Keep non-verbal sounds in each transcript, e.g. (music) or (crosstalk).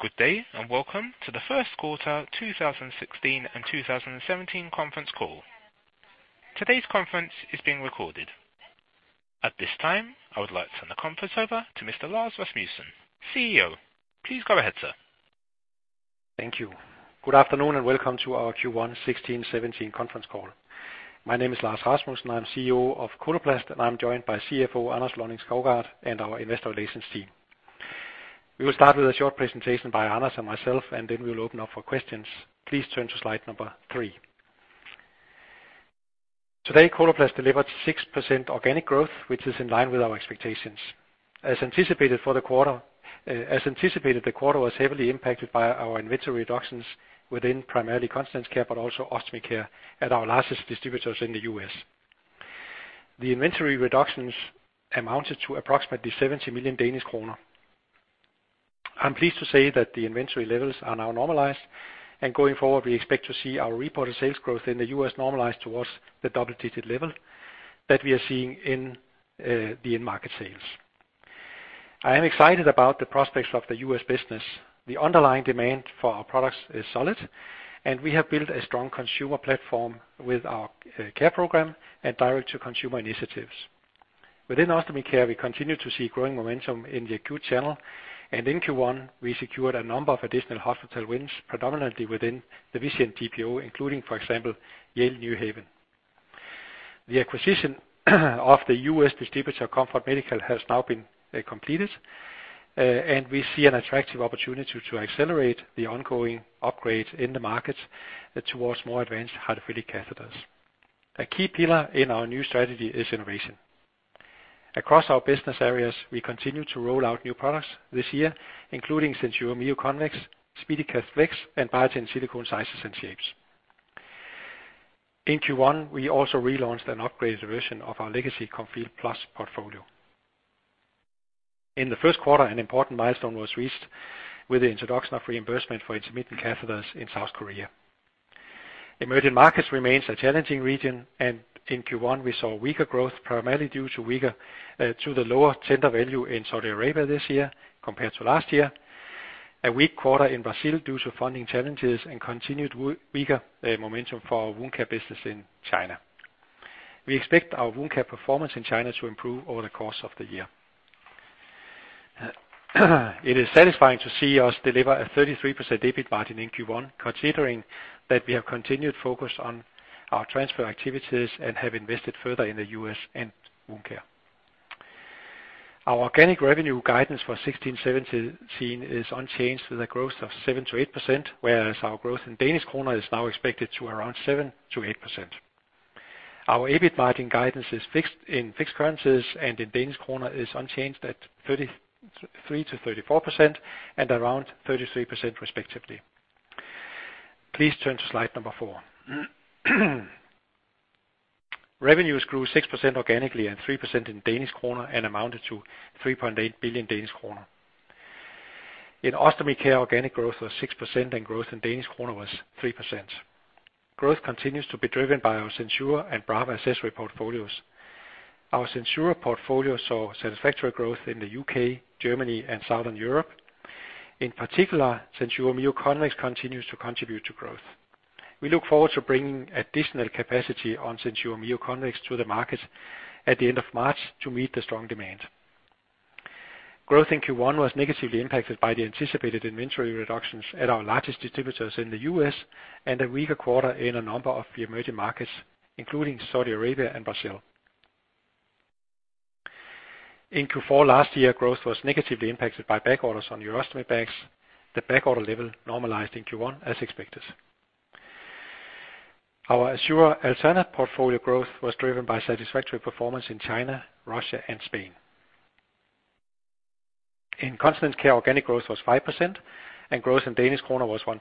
Good day, and welcome to the First Quarter 2016 and 2017 Conference Call. Today's conference is being recorded. At this time, I would like to turn the conference over to Mr. Lars Rasmussen, CEO. Please go ahead, sir. Thank you. Welcome to our Q1 2016/2017 Conference Call. My name is Lars Rasmussen, I'm CEO of Coloplast, I'm joined by CFO Anders Lønning-Skovgaard and our investor relations team. We will start with a short presentation by Anders and myself, then we will open up for questions. Please turn to slide number three. Today, Coloplast delivered 6% organic growth, which is in line with our expectations. As anticipated, the quarter was heavily impacted by our inventory reductions within primarily Continence Care, but also Ostomy Care at our largest distributors in the U.S. The inventory reductions amounted to approximately 70 million. I'm pleased to say that the inventory levels are now normalized. Going forward, we expect to see our reported sales growth in the U.S. normalize towards the double-digit level that we are seeing in the end market sales. I am excited about the prospects of the US business. The underlying demand for our products is solid. We have built a strong consumer platform with our Coloplast Care program and direct-to-consumer initiatives. Within Ostomy Care, we continue to see growing momentum in the acute channel. In Q1, we secured a number of additional hospital wins, predominantly within the Vizient GPO, including, for example, Yale New Haven Health. The acquisition of the US distributor, Comfort Medical, has now been completed. We see an attractive opportunity to accelerate the ongoing upgrades in the market towards more advanced hydrophilic catheters.A key pillar in our new strategy is innovation. Across our business areas, we continue to roll out new products this year, including SenSura Mio Convex, SpeediCath Flex, and Biatain Silicone sizes and shapes. In Q1, we also relaunched an upgraded version of our legacy Comfeel Plus portfolio. In the first quarter, an important milestone was reached with the introduction of reimbursement for intermittent catheters in South Korea. Emerging markets remains a challenging region. In Q1, we saw weaker growth, primarily due to weaker to the lower tender value in Saudi Arabia this year compared to last year. A weak quarter in Brazil due to funding challenges and continued weaker momentum for our wound care business in China. We expect our wound care performance in China to improve over the course of the year. It is satisfying to see us deliver a 33% EBIT margin in Q1, considering that we have continued focus on our transfer activities and have invested further in the U.S. and wound care. Our organic revenue guidance for 2016/2017 is unchanged with a growth of 7%-8%, whereas our growth in Danish kroner is now expected to around 7%-8%. Our EBIT margin guidance is fixed in fixed currencies, and in Danish kroner is unchanged at 33%-34% and around 33% respectively. Please turn to slide number four. Revenues grew 6% organically and 3% in Danish kroner and amounted to 3.8 billion Danish kroner. In Ostomy Care, organic growth was 6%, and growth in Danish kroner was 3%. Growth continues to be driven by our SenSura and Brava accessory portfolios. Our SenSura portfolio saw satisfactory growth in the U.K., Germany, and Southern Europe. In particular, SenSura Mio Convex continues to contribute to growth. We look forward to bringing additional capacity on SenSura Mio Convex to the market at the end of March to meet the strong demand. Growth in Q1 was negatively impacted by the anticipated inventory reductions at our largest distributors in the U.S. and a weaker quarter in a number of the emerging markets, including Saudi Arabia and Brazil. In Q4 last year, growth was negatively impacted by backorders on urostomy bags. The backorder level normalized in Q1, as expected. Our Assura Alterna portfolio growth was driven by satisfactory performance in China, Russia, and Spain. In Continence Care, organic growth was 5%, and growth in Danish kroner was 1%.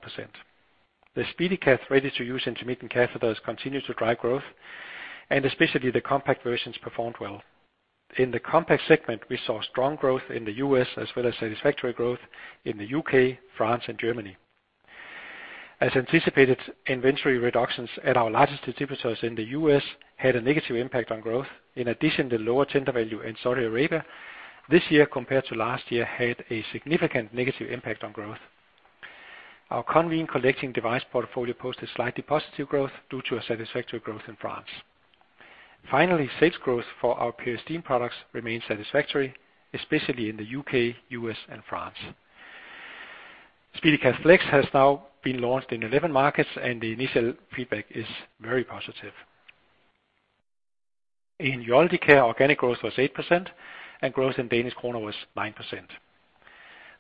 The SpeediCath ready-to-use intermittent catheters continue to drive growth, and especially the compact versions performed well.In the compact segment, we saw strong growth in the U.S., as well as satisfactory growth in the U.K., France, and Germany. As anticipated, inventory reductions at our largest distributors in the U.S. had a negative impact on growth. In addition, the lower tender value in Saudi Arabia this year compared to last year, had a significant negative impact on growth. Our Conveen collecting device portfolio posted slightly positive growth due to a satisfactory growth in France. Finally, sales growth for our Peristeen products remained satisfactory, especially in the U.K., U.S., and France. SpeediCath Flex has now been launched in 11 markets, and the initial feedback is very positive. In Urology Care, organic growth was 8%, and growth in DKK was 9%.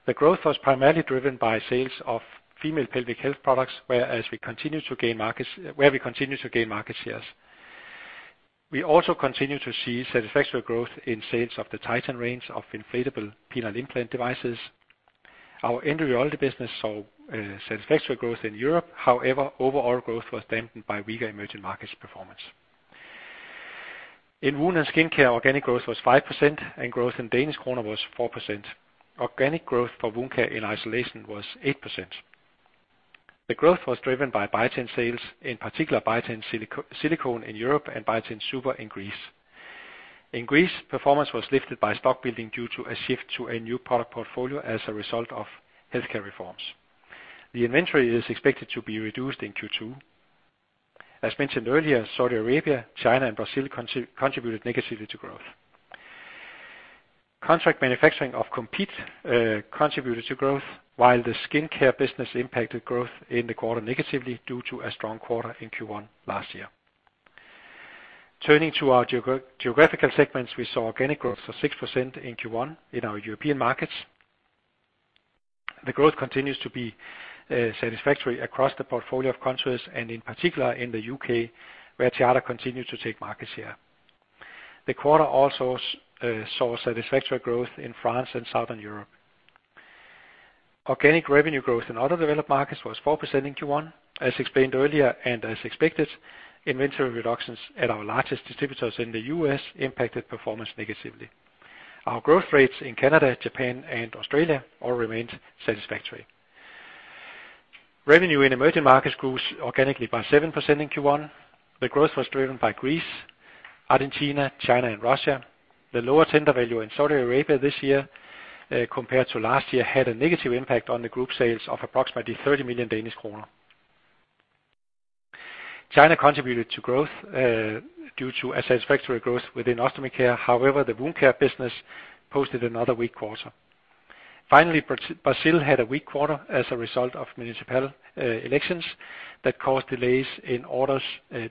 The growth was primarily driven by sales of female pelvic health products, where we continue to gain market shares. We also continue to see satisfactory growth in sales of the Titan range of inflatable penile implant devices. Our Interventional Urology business saw satisfactory growth in Europe. However, overall growth was dampened by weaker emerging markets performance. In Wound & Skin Care, organic growth was 5%, and growth in Danish kroner was 4%. Organic growth for wound care in isolation was 8%. The growth was driven by Biatain sales, in particular Biatain Silicone in Europe and Biatain Super in Greece. In Greece, performance was lifted by stock building due to a shift to a new product portfolio as a result of healthcare reforms. The inventory is expected to be reduced in Q2.As mentioned earlier, Saudi Arabia, China, and Brazil contributed negatively to growth. Contract manufacturing of Compeed contributed to growth, while the Skin Care business impacted growth in the quarter negatively due to a strong quarter in Q1 last year. Turning to our geographical segments, we saw organic growth of 6% in Q1 in our European markets. The growth continues to be satisfactory across the portfolio of countries, and in particular in the U.K., where (inaudible) Tiada continued to take market share. The quarter also saw satisfactory growth in France and Southern Europe. Organic revenue growth in other developed markets was 4% in Q1. As explained earlier, and as expected, inventory reductions at our largest distributors in the U.S. impacted performance negatively. Our growth rates in Canada, Japan, and Australia all remained satisfactory. Revenue in emerging markets grew organically by 7% in Q1.The growth was driven by Greece, Argentina, China, and Russia. The lower tender value in Saudi Arabia this year, compared to last year, had a negative impact on the group sales of approximately 30 million Danish kroner. China contributed to growth, due to a satisfactory growth within Ostomy Care. The wound care business posted another weak quarter. Brazil had a weak quarter as a result of municipal elections that caused delays in orders,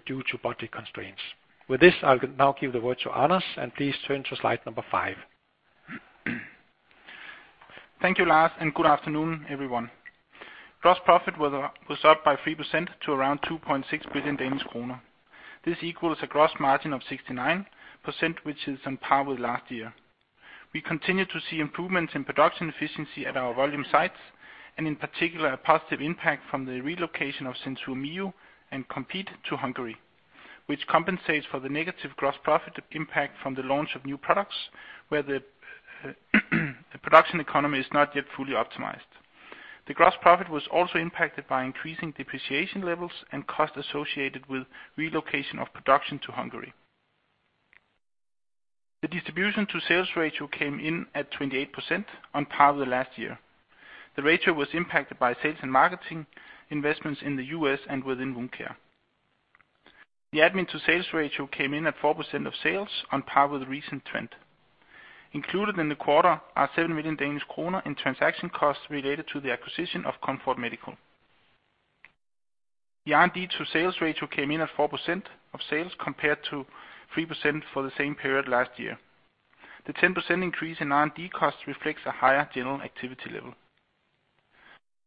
due to budget constraints. With this, I'll now give the word to Anders, please turn to slide five. Thank you, Lars, and good afternoon, everyone. Gross profit was up by 3% to around 2.6 billion Danish kroner. This equals a gross margin of 69%, which is on par with last year. We continue to see improvements in production efficiency at our volume sites, and in particular, a positive impact from the relocation of SenSura Mio and Comfeel Plus to Hungary, which compensates for the negative gross profit impact from the launch of new products, where the production economy is not yet fully optimized. The gross profit was also impacted by increasing depreciation levels and costs associated with relocation of production to Hungary. The distribution to sales ratio came in at 28%, on par with last year. The ratio was impacted by sales and marketing investments in the U.S. and within Wound Care.The admin to sales ratio came in at 4% of sales, on par with the recent trend. Included in the quarter are 7 million Danish kroner in transaction costs related to the acquisition of Comfort Medical. The R&D to sales ratio came in at 4% of sales, compared to 3% for the same period last year. The 10% increase in R&D costs reflects a higher general activity level.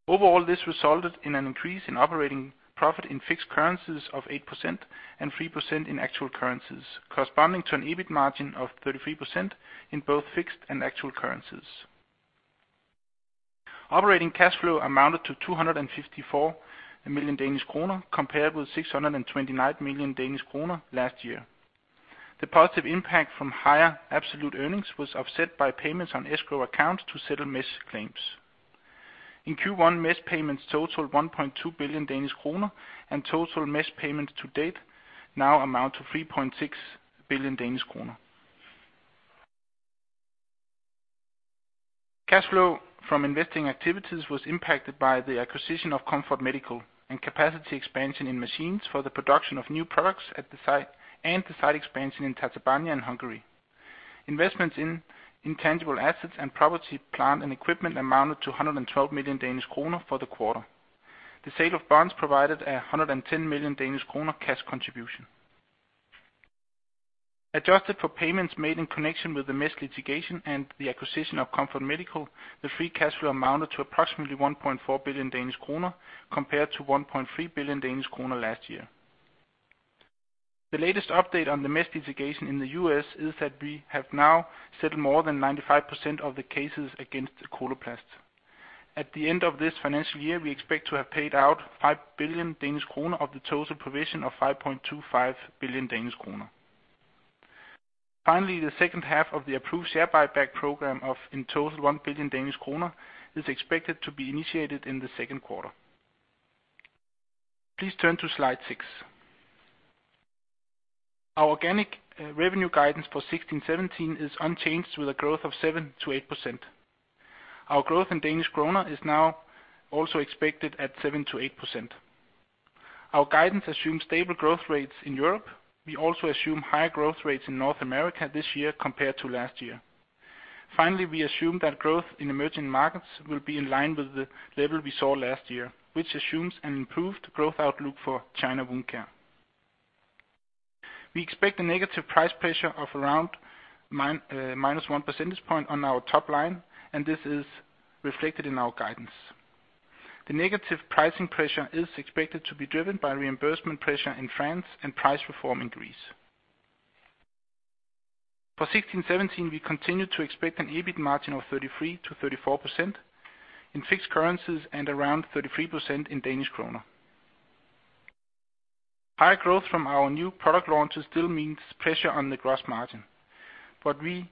Overall, this resulted in an increase in operating profit in fixed currencies of 8% and 3% in actual currencies, corresponding to an EBIT margin of 33% in both fixed and actual currencies. Operating cash flow amounted to 254 million Danish kroner, compared with 629 million Danish kroner last year. The positive impact from higher absolute earnings was offset by payments on escrow accounts to settle mesh claims.In Q1, mesh payments totaled 1.2 billion Danish kroner, and total mesh payments to date now amount to 3.6 billion Danish kroner. Cash flow from investing activities was impacted by the acquisition of Comfort Medical and capacity expansion in machines for the production of new products at the site, and the site expansion in Tatabánya in Hungary. Investments in intangible assets and property, plant, and equipment amounted to 112 million Danish kroner for the quarter. The sale of bonds provided a 110 million Danish kroner cash contribution. Adjusted for payments made in connection with the mesh litigation and the acquisition of Comfort Medical, the free cash flow amounted to approximately 1.4 billion Danish kroner, compared to 1.3 billion Danish kroner last year. The latest update on the mesh litigation in the U.S. is that we have now settled more than 95% of the cases against Coloplast. At the end of this financial year, we expect to have paid out 5 billion Danish kroner of the total provision of 5.25 billion Danish kroner. Finally, the second half of the approved share buyback program of, in total, 1 billion Danish kroner, is expected to be initiated in the second quarter. Please turn to slide six. Our organic revenue guidance for 2016, 2017 is unchanged with a growth of 7%-8%. Our growth in DKK is now also expected at 7%-8%. Our guidance assumes stable growth rates in Europe. We also assume higher growth rates in North America this year compared to last year. We assume that growth in emerging markets will be in line with the level we saw last year, which assumes an improved growth outlook for China Wound Care. We expect a negative price pressure of around -1% point on our top line, and this is reflected in our guidance. The negative pricing pressure is expected to be driven by reimbursement pressure in France and price reform in Greece. For 2016/2017, we continue to expect an EBIT margin of 33%-34% in fixed currencies and around 33% in DKK. High growth from our new product launches still means pressure on the gross margin. We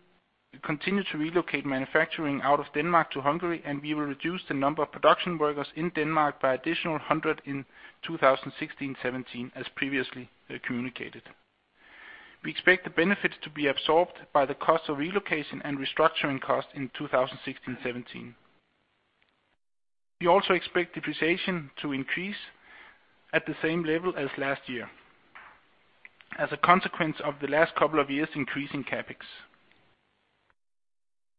continue to relocate manufacturing out of Denmark to Hungary, and we will reduce the number of production workers in Denmark by additional 100 in 2016/2017, as previously communicated. We expect the benefits to be absorbed by the cost of relocation and restructuring costs in 2016/2017. We also expect depreciation to increase at the same level as last year, as a consequence of the last couple of years increasing CapEx.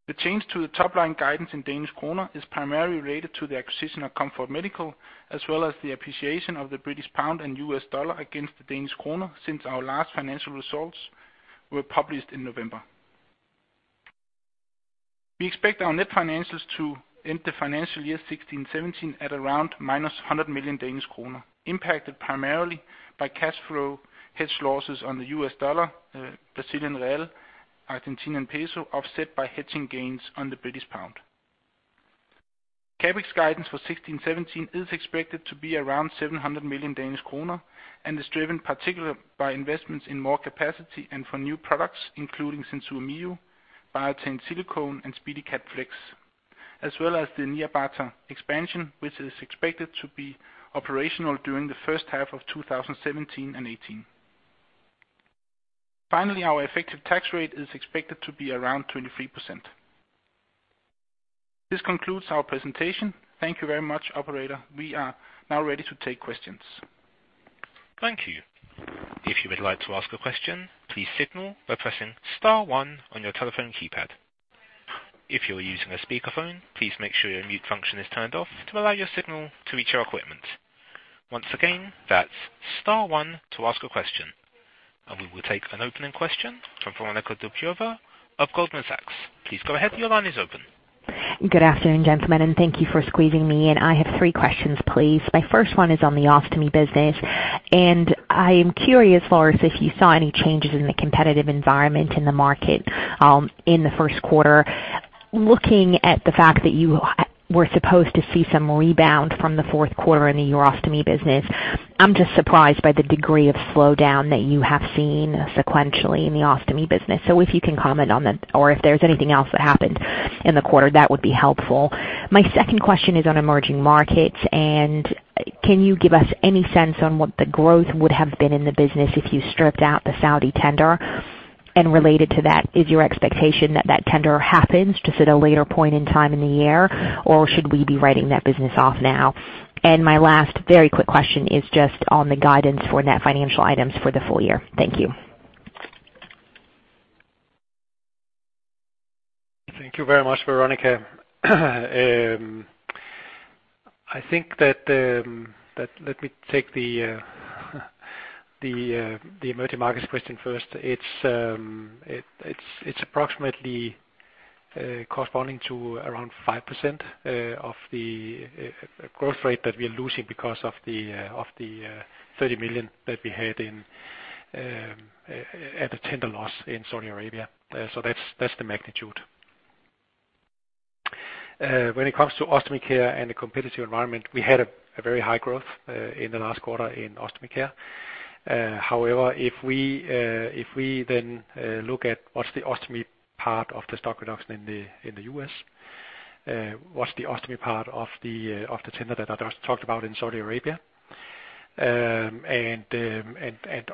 The change to the top-line guidance in Danish kroner is primarily related to the acquisition of Comfort Medical, as well as the appreciation of the British pound and US dollar against the Danish kroner, since our last financial results were published in November. We expect our net financials to end the financial year 2016/2017 at around -100 million Danish kroner, impacted primarily by cash flow hedge losses on the US dollar, Brazilian real, Argentinian peso, offset by hedging gains on the British pound. CapEx guidance for 2016/2017 is expected to be around 700 million Danish kroner, and is driven particularly by investments in more capacity and for new products, including SenSura Mio, Biatain Silicone, and SpeediCath Flex, as well as the Nyírbátor expansion, which is expected to be operational during the first half of 2017 and 2018. Finally, our effective tax rate is expected to be around 23%. This concludes our presentation. Thank you very much, operator. We are now ready to take questions. Thank you. If you would like to ask a question, please signal by pressing star one on your telephone keypad. If you are using a speakerphone, please make sure your mute function is turned off to allow your signal to reach our equipment. Once again, that's star one to ask a question. We will take an opening question from Veronika Dubajova of Goldman Sachs. Please go ahead. Your line is open. Good afternoon, gentlemen, thank you for squeezing me in. I have three questions, please. My first one is on the ostomy business. I am curious, Lars, if you saw any changes in the competitive environment in the market in the first quarter? Looking at the fact that you were supposed to see some rebound from the fourth quarter in the urostomy business, I'm just surprised by the degree of slowdown that you have seen sequentially in the ostomy business. If you can comment on that, or if there's anything else that happened in the quarter, that would be helpful. My second question is on emerging markets. Can you give us any sense on what the growth would have been in the business if you stripped out the Saudi tender? Related to that, is your expectation that that tender happens just at a later point in time in the year, or should we be writing that business off now? My last very quick question is just on the guidance for net financial items for the full year. Thank you. Thank you very much, Veronika. I think that let me take the emerging markets question first. It's approximately corresponding to around 5% of the growth rate that we are losing because of the 30 million that we had at the tender loss in Saudi Arabia. That's, that's the magnitude. When it comes to Ostomy Care and the competitive environment, we had a very high growth in the last quarter in Ostomy Care. However, if we then look at what's the ostomy part of the stock reduction in the U.S., what's the ostomy part of the tender that I just talked about in Saudi Arabia, and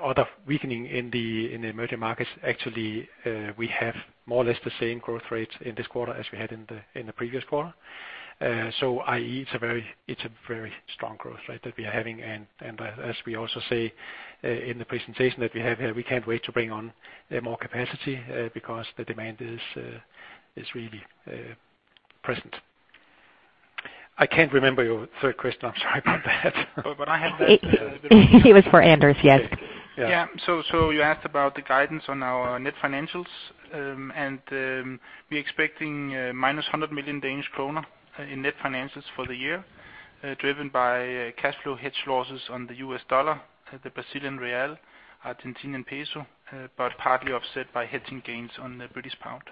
other weakening in the emerging markets, actually, we have more or less the same growth rate in this quarter as we had in the previous quarter. I.e., it's a very strong growth rate that we are having, and as we also say in the presentation that we have here, we can't wait to bring on more capacity, because the demand is really present. I can't remember your third question. I'm sorry about that. I have that. It was for Anders, yes. Yeah. Yeah. So you asked about the guidance on our net financials. We're expecting minus 100 million Danish kroner in net financials for the year, driven by cash flow hedge losses on the US dollar, the Brazilian real, Argentinian peso, partly offset by hedging gains on the British pound.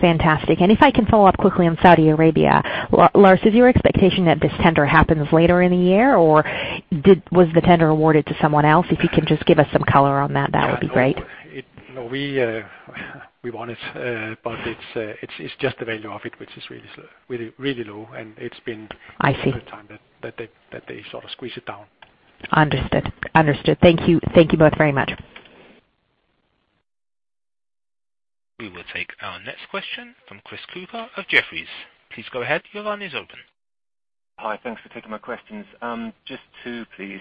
Fantastic. If I can follow up quickly on Saudi Arabia. Lars, is your expectation that this tender happens later in the year, or Was the tender awarded to someone else? If you can just give us some color on that would be great. No, we want it, but it's just the value of it, which is really really low, and it's been... I see. over time that they sort of squeeze it down. Understood. Understood. Thank you. Thank you both very much. We will take our next question from Christopher Cooper of Jefferies. Please go ahead. Your line is open. Hi. Thanks for taking my questions. Just two, please.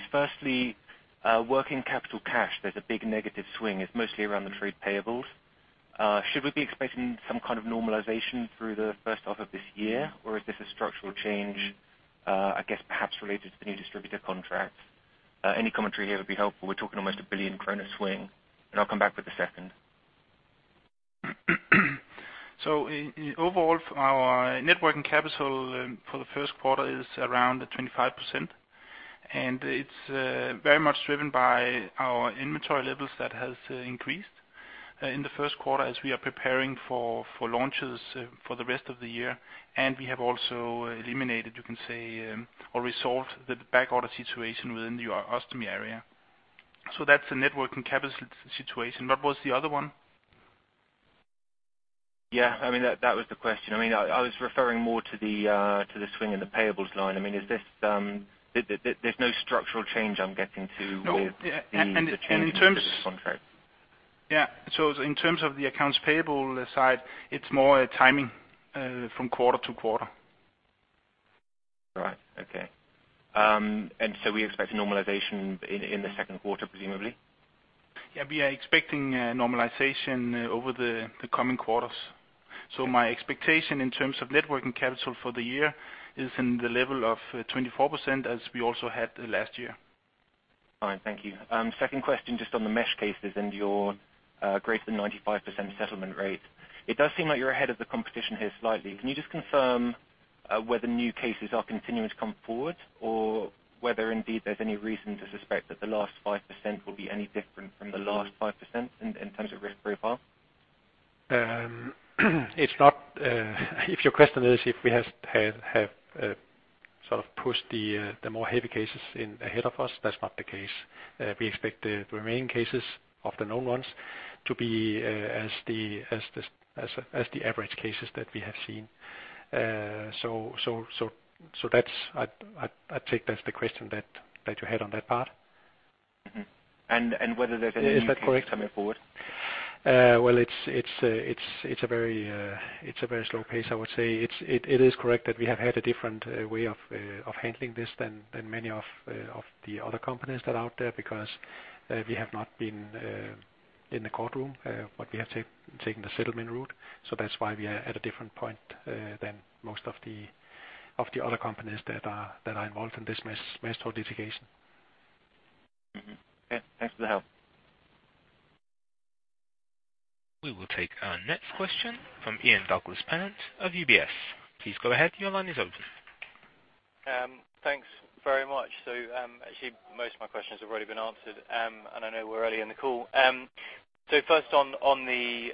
Firstly, working capital cash, there's a big negative swing. It's mostly around the trade payables. Should we be expecting some kind of normalization through the first half of this year, or is this a structural change, perhaps related to the new distributor contracts? Any commentary here would be helpful. We're talking almost a 1 billion kroner swing, and I'll come back with the second. Overall, our net working capital for the first quarter is around 25%, and it's very much driven by our inventory levels that has increased.in the first quarter as we are preparing for launches for the rest of the year. We have also eliminated, you can say, or resolved the backorder situation within our ostomy area. That's the net working capital situation. What was the other one? Yeah, I mean, that was the question. I mean, I was referring more to the swing in the payables line. I mean, is this, there's no structural change I'm getting to. No. with the change in terms of this contract? Yeah. In terms of the accounts payable side, it's more a timing from quarter to quarter. Right. Okay. We expect normalization in the second quarter, presumably? Yeah, we are expecting normalization over the coming quarters. My expectation in terms of net working capital for the year is in the level of 24%, as we also had last year. Fine, thank you. Second question, just on the mesh cases and your greater than 95% settlement rate. It does seem like you're ahead of the competition here slightly. Can you just confirm whether new cases are continuing to come forward, or whether indeed there's any reason to suspect that the last 5% will be any different from the last 5% in terms of risk profile? It's not, if your question is if we have, sort of pushed the more heavy cases in ahead of us, that's not the case. We expect the remaining cases of the known ones to be, as the average cases that we have seen. I take that's the question that you had on that part? Mm-hmm. Whether there's any new cases coming forward. Is that correct? Well, it's a very slow pace, I would say. It is correct that we have had a different way of handling this than many of the other companies that are out there, because we have not been in the courtroom, but we have taken the settlement route. That's why we are at a different point than most of the other companies that are involved in this mesh litigation. Mm-hmm. Okay, thanks for the help. We will take our next question from Ian Douglas-Pennant of UBS. Please go ahead. Your line is open. Thanks very much. Actually, most of my questions have already been answered. I know we're early in the call. First on the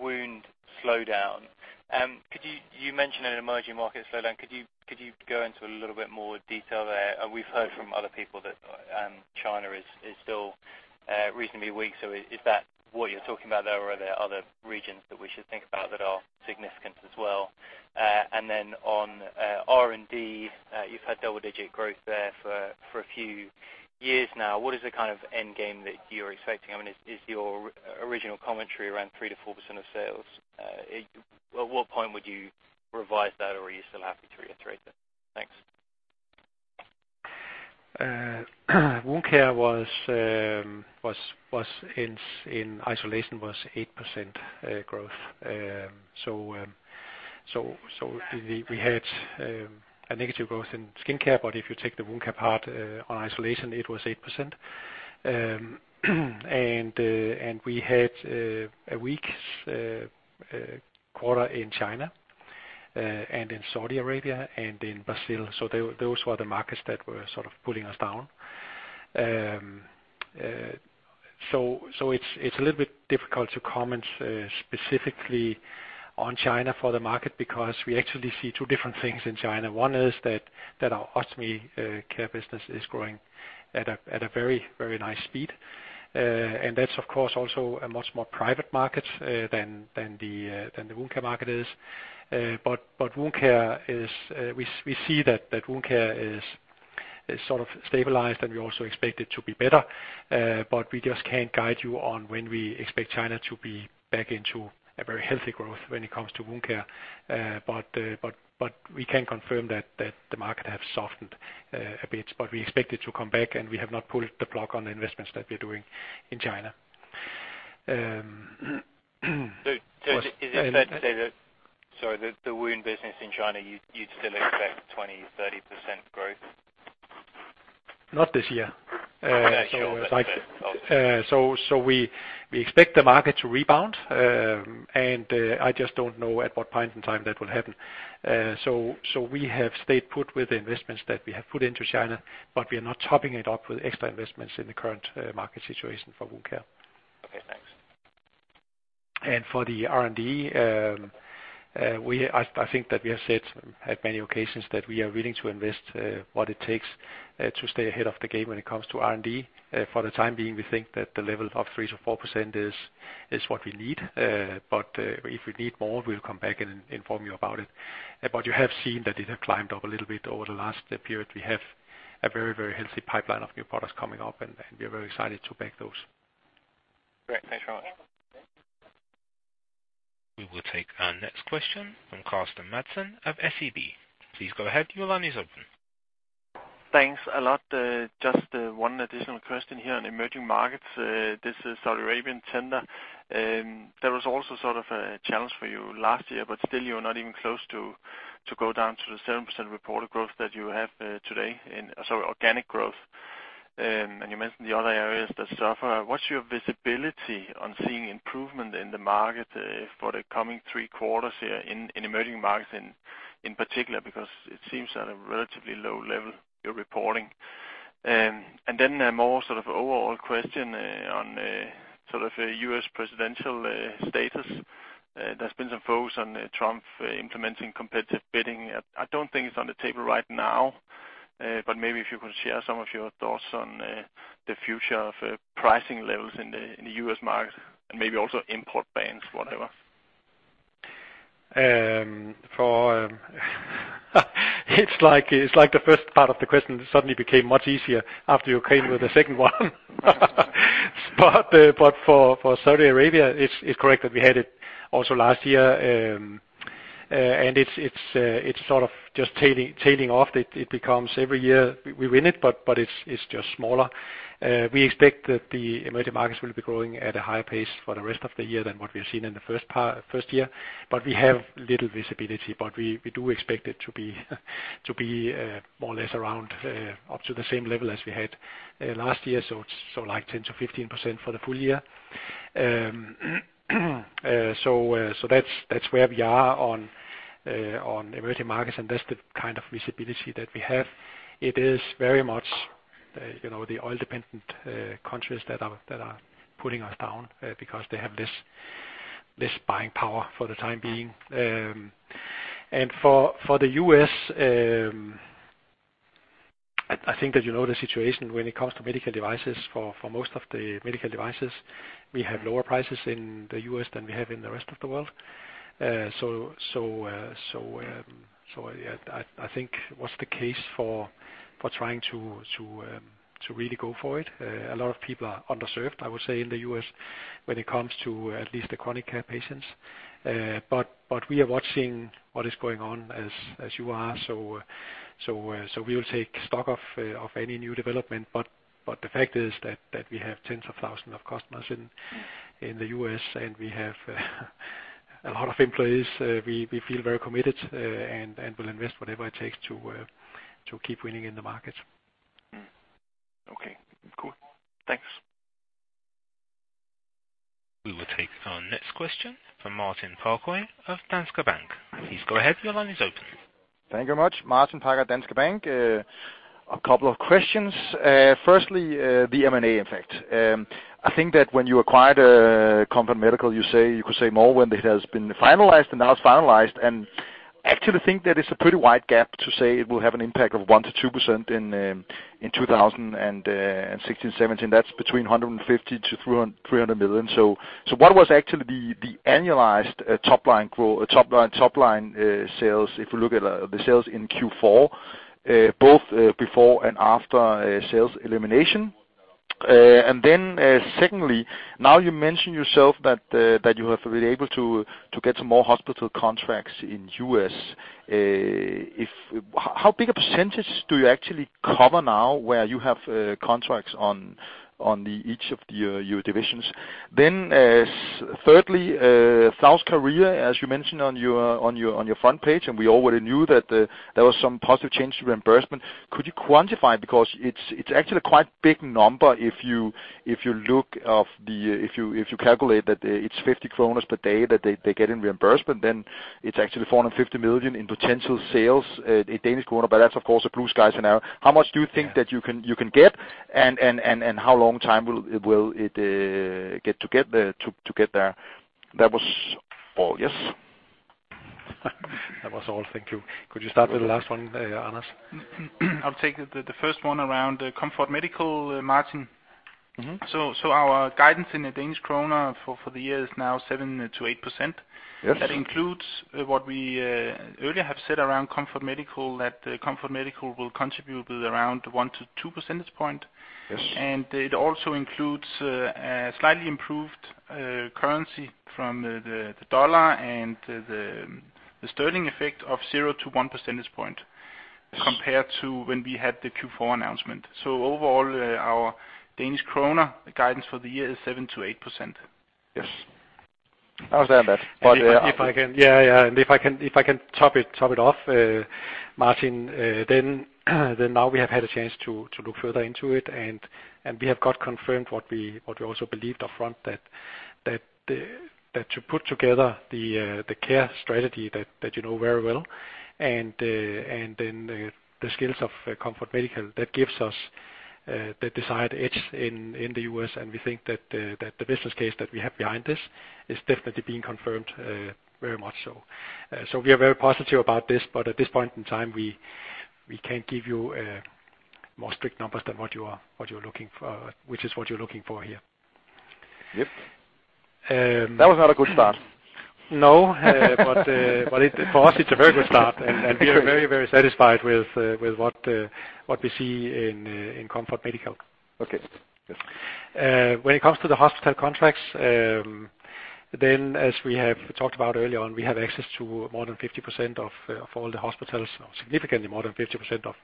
wound slowdown, you mentioned an emerging market slowdown. Could you go into a little bit more detail there? We've heard from other people that China is still reasonably weak, is that what you're talking about there, or are there other regions that we should think about that are significant as well? On R&D, you've had double-digit growth there for a few years now. What is the kind of end game that you're expecting? Is your original commentary around 3%-4% of sales? At what point would you revise that, or are you still happy to reiterate that? Thanks. Wound Care was in isolation was 8% growth. We had a negative growth in Skin Care, but if you take the Wound Care part on isolation, it was 8%. We had a weak quarter in China and in Saudi Arabia and in Brazil. Those were the markets that were sort of pulling us down. It's a little bit difficult to comment specifically on China for the market, because we actually see two different things in China. One is that our Ostomy Care business is growing at a very, very nice speed. That's of course also a much more private market than the Wound Care market is. Wound care is we see that wound care is sort of stabilized, and we also expect it to be better. We just can't guide you on when we expect China to be back into a very healthy growth when it comes to wound care. We can confirm that the market has softened a bit, but we expect it to come back, and we have not pulled the plug on the investments that we're doing in China. Is it fair to say that, sorry, the wound business in China, you'd still expect 20%-30% growth? Not this year. Okay, sure. We expect the market to rebound, and I just don't know at what point in time that will happen. We have stayed put with the investments that we have put into China, but we are not topping it up with extra investments in the current market situation for wound care. Okay, thanks. For the R&D, I think that we have said at many occasions that we are willing to invest what it takes to stay ahead of the game when it comes to R&D. For the time being, we think that the level of 3%-4% is what we need, but if we need more, we'll come back and inform you about it. You have seen that it has climbed up a little bit over the last period. We have a very healthy pipeline of new products coming up, and we are very excited to back those. Great. Thanks very much. We will take our next question from Carsten Madsen of SEB. Please go ahead. Your line is open. Thanks a lot. Just one additional question here on emerging markets. This is Saudi Arabian tender that was also sort of a challenge for you last year. Still, you're not even close to go down to the 7% reported growth that you have today in, sorry, organic growth. You mentioned the other areas that suffer. What's your visibility on seeing improvement in the market for the coming three quarters here in emerging markets in particular? It seems at a relatively low level, you're reporting. Then a more sort of overall question on sort of a US presidential status. There's been some focus on Trump implementing competitive bidding. I don't think it's on the table right now, but maybe if you could share some of your thoughts on the future of pricing levels in the US market and maybe also import bans, whatever. For it's like the first part of the question suddenly became much easier after you came with the second one. But for Saudi Arabia, it's correct that we had it also last year. It's sort of just tailing off. It becomes every year we win it, but it's just smaller. We expect that the emerging markets will be growing at a higher pace for the rest of the year than what we've seen in the first year. We have little visibility, but we do expect it to be more or less around up to the same level as we had last year. So like 10%-15% for the full year. So that's where we are on emerging markets, and that's the kind of visibility that we have. It is very much, you know, the oil-dependent countries that are pulling us down because they have less buying power for the time being. For the U.S., I think that you know the situation when it comes to medical devices. For most of the medical devices, we have lower prices in the U.S. than we have in the rest of the world. Yeah, I think what's the case for trying to really go for it. A lot of people are underserved, I would say, in the U.S., when it comes to at least the chronic care patients. We are watching what is going on as you are. We will take stock of any new development. The fact is that we have tens of thousands of customers in the U.S., and we have a lot of employees. We feel very committed, and will invest whatever it takes to keep winning in the market. Mm. Okay, cool. Thanks. We will take our next question from Martin Parkhøi of Danske Bank. Please go ahead. Your line is open. Thank you very much. Martin Parkhøi, Danske Bank. A couple of questions. Firstly, the M&A effect. I think that when you acquired Comfort Medical, you say, you could say more when it has been finalized, and now it's finalized, and actually think that it's a pretty wide gap to say it will have an impact of 1%-2% in 2016, 2017. That's between 150 million-300 million. What was actually the annualized top line sales, if you look at the sales in Q4, both before and after sales elimination? Secondly, now you mention yourself that you have been able to get some more hospital contracts in U.S. How big a percentage do you actually cover now where you have contracts on each of your divisions? Thirdly, South Korea, as you mentioned on your front page, and we already knew that there was some positive change to reimbursement. Could you quantify? Because it's actually a quite big number if you look of the if you calculate that it's 50 kroner per day that they get in reimbursement, then it's actually 450 million in potential sales in Danish krone, but that's of course a blue sky scenario. How much do you think that you can get, and how long time will it get to get there? That was all, yes. That was all. Thank you. Could you start with the last one, Anders? I'll take the first one around the Comfort Medical, Martin. Mm-hmm. Our guidance in the DKK for the year is now 7%-8%. Yes. That includes, what we, earlier have said around Comfort Medical, that Comfort Medical will contribute around 1%-2% point. Yes. It also includes a slightly improved currency from the US dollar and the British pound effect of 0%-1% point. Yes Compared to when we had the Q4 announcement. Overall, our Danish krone guidance for the year is 7%-8%. Yes. I understand that, but. If I can, yeah, and if I can top it off, Martin, then now we have had a chance to look further into it, and we have got confirmed what we also believed upfront, that to put together the care strategy that you know very well, and then the skills of Comfort Medical, that gives us the desired edge in the U.S. We think that the business case that we have behind this is definitely being confirmed, very much so. We are very positive about this, but at this point in time, we can't give you more strict numbers than what you're looking for, which is what you're looking for here. Yep. Um- That was not a good start. No, but it, for us, it's a very good start, and we are very satisfied with what we see in Comfort Medical. Okay. Yes. When it comes to the hospital contracts, as we have talked about earlier on, we have access to more than 50% of all the hospitals, significantly more than 50% of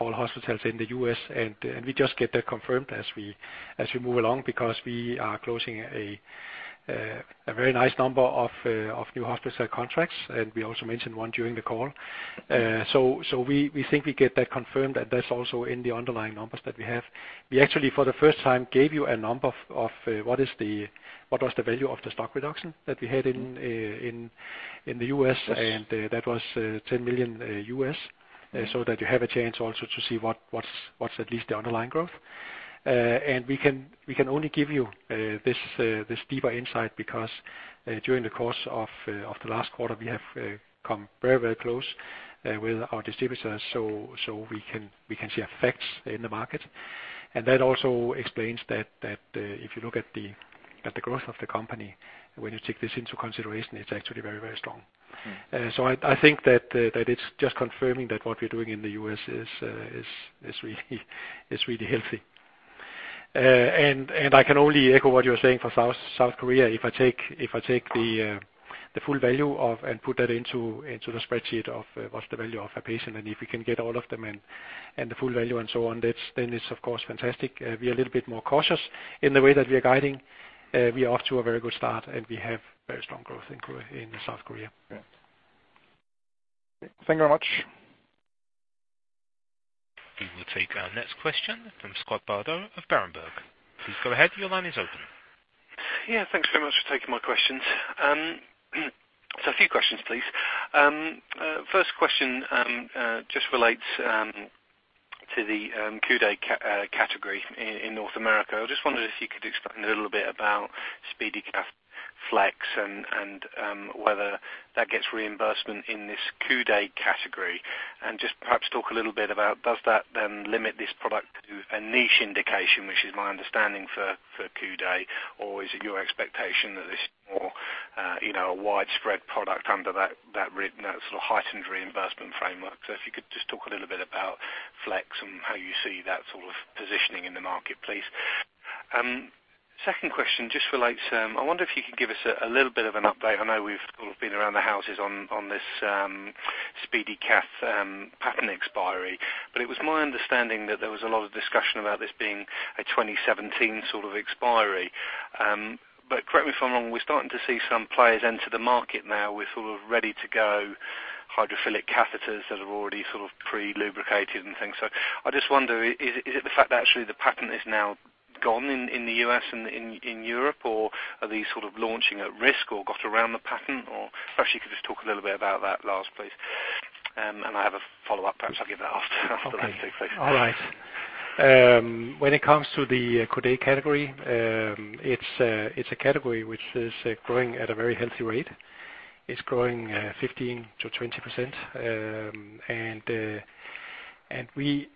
all hospitals in the U.S. We just get that confirmed as we move along, because we are closing a very nice number of new hospital contracts, and we also mentioned one during the call. We think we get that confirmed, and that's also in the underlying numbers that we have. We actually, for the first time, gave you a number of what was the value of the stock reduction that we had in the U.S.? Yes. That was $10 million. Mm-hmm. That you have a chance also to see what's at least the underlying growth. We can only give you this deeper insight, because during the course of the last quarter, we have come very, very close with our distributors. We can see effects in the market. That also explains that, if you look at the growth of the company, when you take this into consideration, it's actually very, very strong. Mm. I think that it's just confirming that what we're doing in the U.S. is really healthy. I can only echo what you're saying for South Korea. If I take the full value of and put that into the spreadsheet of what's the value of a patient, and if we can get all of them and the full value and so on, then it's of course fantastic. We are a little bit more cautious in the way that we are guiding. We are off to a very good start, and we have very strong growth in South Korea. Yeah. Thank you very much. We will take our next question from Scott Bardo of Berenberg. Please go ahead. Your line is open. Thanks very much for taking my questions. A few questions, please. First question, just relates to the Q day category in North America. I just wondered if you could explain a little bit about SpeediCath Flex and whether that gets reimbursement in this Q day category. Just perhaps talk a little bit about, does that then limit this product to a niche indication, which is my understanding for Q day, or is it your expectation that this is more, you know, a widespread product under that sort of heightened reimbursement framework? If you could just talk a little bit about Flex and how you see that sort of positioning in the market, please. Second question just relates, I wonder if you could give us a little bit of an update. I know we've sort of been around the houses on this, SpeediCath patent expiry, but it was my understanding that there was a lot of discussion about this being a 2017 sort of expiry. Correct me if I'm wrong, we're starting to see some players enter the market now with sort of ready-to-go hydrophilic catheters that are already sort of pre-lubricated and things. I just wonder, is it the fact that actually the patent is now gone in the U.S. and in Europe, or are these sort of launching at risk or got around the patent? Or if actually you could just talk a little bit about that, Lars, please. I have a follow-up. Perhaps I'll give that after. Okay. After that take place. All right. When it comes to the Q day category, it's a category which is growing at a very healthy rate. It's growing 15%-20%. The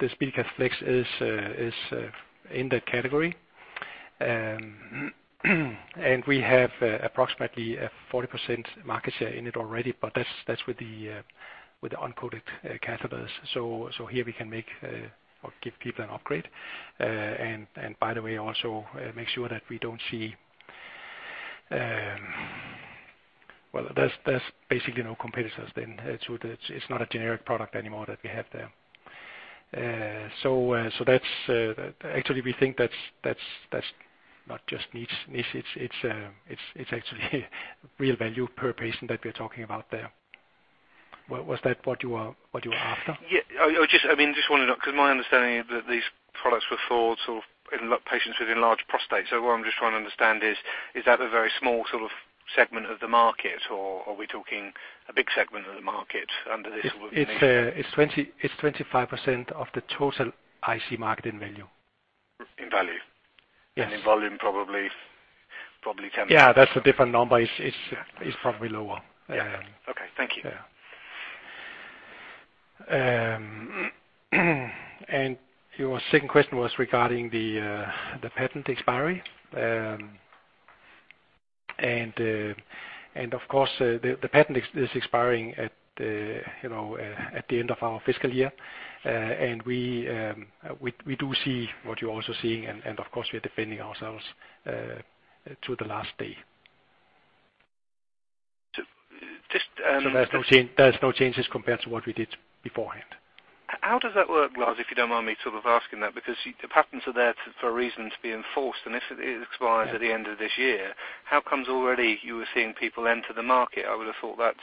SpeediCath Flex is in that category. We have approximately a 40% market share in it already, but that's with the uncoated catheters. Here we can make or give people an upgrade. By the way, also, make sure that we don't see... Well, there's basically no competitors then. That it's not a generic product anymore that we have there. That's actually, we think that's not just niche.It's actually real value per patient that we're talking about there. Was that what you were after? Yeah, I just, I mean, just wanted to, 'cause my understanding is that these products were for sort of in patients with enlarged prostates. What I'm just trying to understand is that a very small sort of segment of the market, or are we talking a big segment of the market under this? It's 25% of the total IC market in value. In value? Yes. In volume, probably 10%. Yeah, that's a different number. It's. Yeah. It's probably lower. Yeah. Um. Okay, thank you. Yeah. Your second question was regarding the patent expiry. Of course, the patent is expiring at, you know, at the end of our fiscal year. We do see what you're also seeing, and of course, we are defending ourselves to the last day. just There's no changes compared to what we did beforehand. How does that work, Lars, if you don't mind me sort of asking that? Because the patents are there for a reason to be enforced, and if it expires at the end of this year, how comes already you are seeing people enter the market? I would have thought that's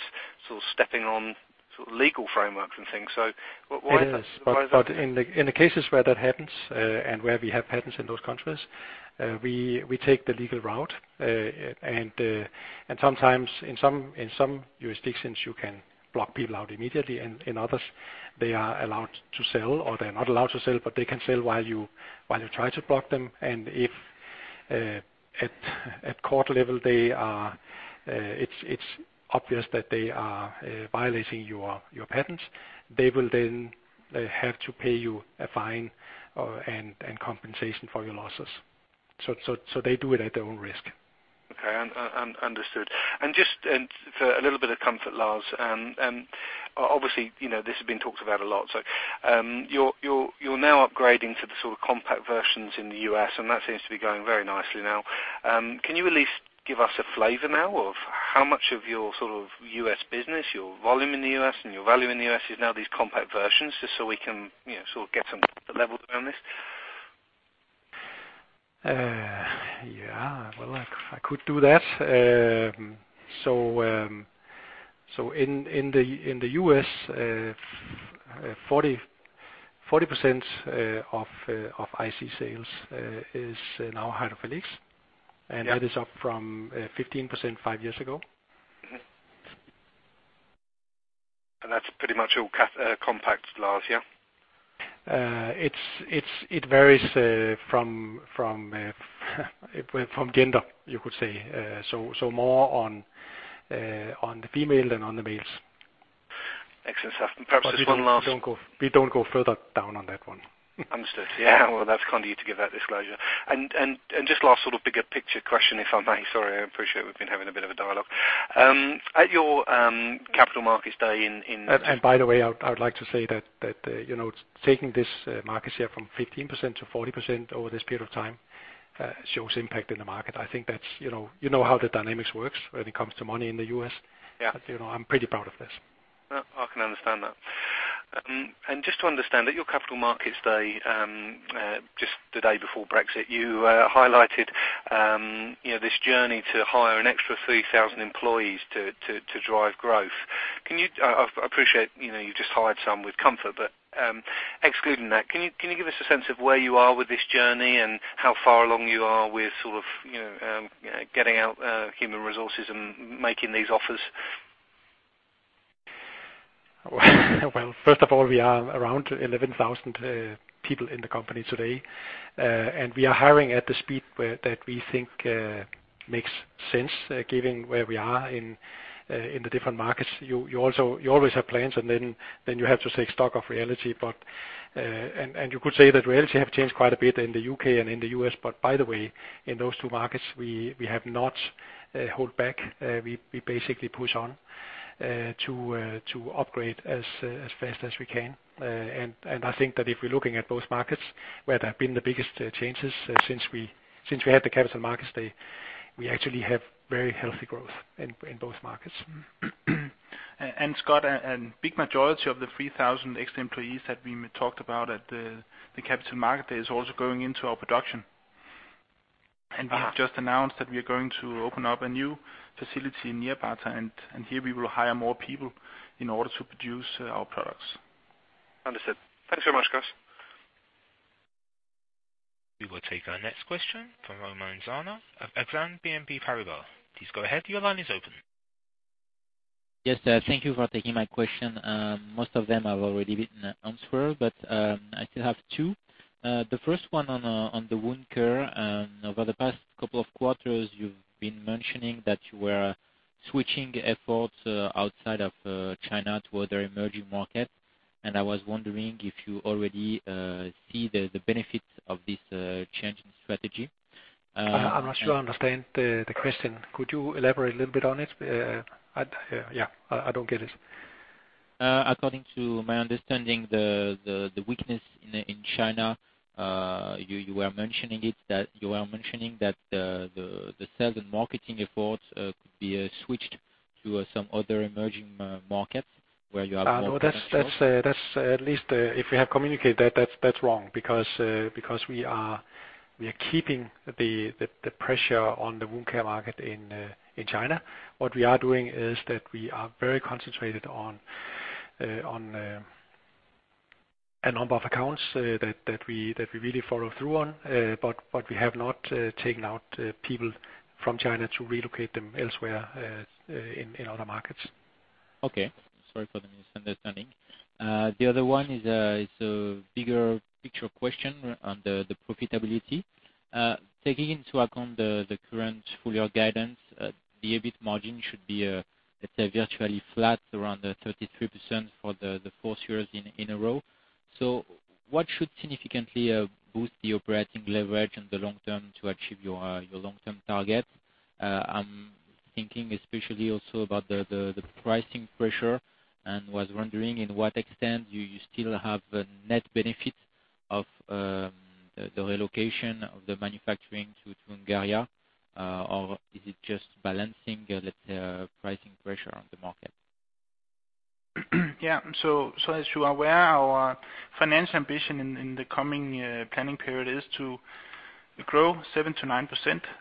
sort of stepping on sort of legal frameworks and things. Why is that? It is. In the cases where that happens, and where we have patents in those countries, we take the legal route. Sometimes in some jurisdictions, you can block people out immediately, and in others, they are allowed to sell, or they are not allowed to sell, but they can sell while you try to block them. If at court level, they are, it's obvious that they are violating your patents, they will then have to pay you a fine and compensation for your losses. They do it at their own risk. Okay, understood. Just, for a little bit of comfort, Lars, obviously, you know, this has been talked about a lot. You're now upgrading to the sort of compact versions in the U.S., and that seems to be going very nicely now. Can you at least give us a flavor now of how much of your sort of US business, your volume in the U.S., and your value in the U.S. is now these compact versions, just so we can, you know, sort of get some level around this? Yeah, well, I could do that. In the U.S., 40% of IC sales is now hydrophilics, and that is up from 15% five years ago. Mm-hmm. That's pretty much all Coloplast last year? It's it varies from gender, you could say. More on the female than on the males. Excellent stuff. Perhaps just one last-. We don't go further down on that one. Understood. Yeah, well, that's kind of you to give that disclosure. Just last sort of bigger picture question, if I may? Sorry, I appreciate we've been having a bit of a dialogue. At your capital markets day. And by the way, I would like to say that, you know, taking this market share from 15%-40% over this period of time, shows impact in the market. I think that's, you know. You know how the dynamics works when it comes to money in the U.S. Yeah. You know, I'm pretty proud of this. I can understand that. Just to understand, at your capital markets day, just the day before Brexit, you highlighted, you know, this journey to hire an extra 3,000 employees to drive growth. Can you, I appreciate, you know, you've just hired some with Comfort Medical, but excluding that, can you give us a sense of where you are with this journey and how far along you are with sort of, you know, getting out human resources and making these offers? Well, first of all, we are around 11,000 people in the company today. We are hiring at the speed that we think makes sense given where we are in the different markets. You always have plans, and then you have to take stock of reality. But... You could say that reality have changed quite a bit in the U.K. and in the U.S., but by the way, in those two markets, we have not held back. We basically push on to upgrade as fast as we can.I think that if we're looking at both markets, where there have been the biggest changes, since we had the Capital Markets Day, we actually have very healthy growth in both markets. Scott, a big majority of the 3,000 extra employees that we talked about at the Capital Market Day is also going into our production. Uh- We have just announced that we are going to open up a new facility near Nyírbátor, and here we will hire more people in order to produce our products. Understood. Thanks so much, guys. We will take our next question from Romain Zana of Exane BNP Paribas. Please go ahead. Your line is open. Thank you for taking my question. Most of them have already been answered, but I still have two. The first one on the Wound Care. Over the past couple of quarters, you've been mentioning that you were switching efforts outside of China to other emerging markets, and I was wondering if you already see the benefits of this change in strategy? I'm not sure I understand the question. Could you elaborate a little bit on it? I, yeah, I don't get it. According to my understanding, the weakness in China, you were mentioning it, that you are mentioning that the sales and marketing efforts could be switched to some other emerging markets where you have more potential. No, that's, at least, if we have communicated that's wrong, because we are keeping the pressure on the wound care market in China. What we are doing is that we are very concentrated on a number of accounts that we really follow through on. We have not taken out people from China to relocate them elsewhere in other markets. Okay. Sorry for the misunderstanding. The other one is a bigger picture question on the profitability. Taking into account the current full year guidance, the EBIT margin should be, let's say, virtually flat, around 33% for the fourth years in a row. What should significantly boost the operating leverage in the long term to achieve your long-term target? I'm thinking especially also about the pricing pressure, and was wondering in what extent do you still have a net benefit of the relocation of the manufacturing to Hungary, or is it just balancing the pricing pressure on the market? Yeah. As you are aware, our financial ambition in the coming planning period is to grow 7%-9%,